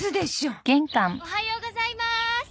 おはようございます。